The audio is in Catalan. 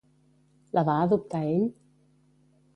La va adoptar ell?